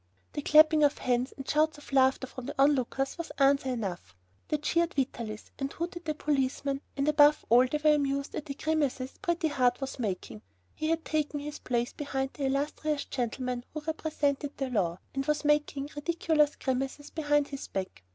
The clapping of hands and shouts of laughter from the onlookers was answer enough. They cheered Vitalis and hooted the policeman and, above all, they were amused at the grimaces Pretty Heart was making. He had taken his place behind the "illustrious gentleman who represented the law," and was making ridiculous grimaces behind his back.